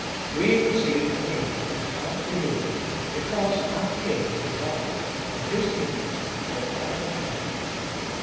" We receive a kingdom that cannot be moved," because our King is God, and His kingdom for ever and ever.